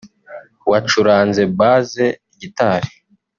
wacuranze bass gitari